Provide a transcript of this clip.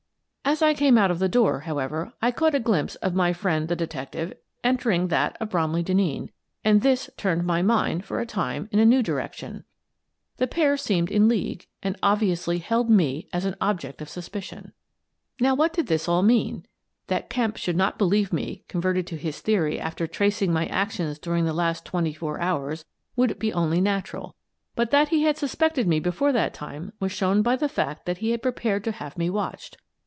As I came out of the door, however, I caught a glimpse of my friend the detective entering that of Bromley Denneen, and this turned my mind, for a time, in a new direction. The pair seemed in league, and obviously held me as an object of sus picion. Now, what did all this mean? That Kemp should not believe me converted to his theory after tracing my actions during the last twenty four hours would be only natural ; but that he had suspected me be fore that time was shown by the fact that he had prepared to have me watched.